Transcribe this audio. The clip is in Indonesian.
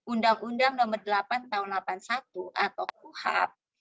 undang undang nomor delapan tahun seribu sembilan ratus delapan puluh satu atau kuhap